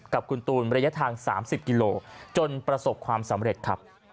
กับคุณตูนระยะทาง๓๐กิโลจนประสบความสำเร็จครับ